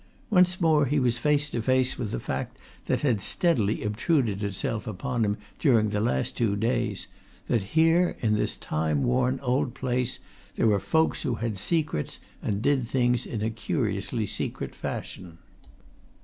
Once more he was face to face with the fact that had steadily obtruded itself upon him during the last two days: that here in this time worn old place there were folks who had secrets and did things in a curiously secret fashion.